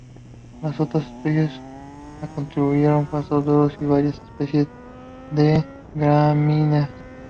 Las otras especies la constituyen pastos duros y varias especies de gramíneas.